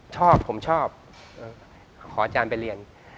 ชอบผมชอบขออาจารย์ไปเรียน